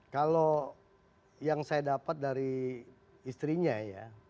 kalau yang saya dapat dari istrinya ya